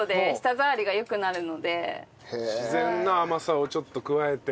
自然な甘さをちょっと加えて。